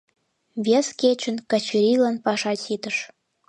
Вес кечын Качырийлан паша ситыш.